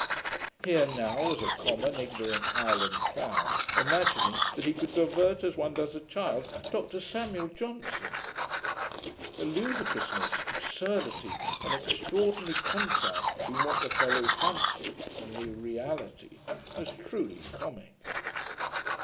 Here now was a common ignorant Highland clown imagining that he could divert, as one does a child, DR SAMUEL JOHNSON! The ludicrousness, absurdity, and extraordinary contrast between what the fellow fancied, and the reality, was truly comick.